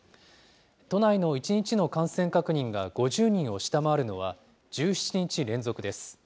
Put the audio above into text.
都内の１日の感染確認が５０人を下回るのは、１７日連続です。